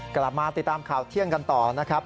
กลับมาติดตามข่าวเที่ยงกันต่อนะครับ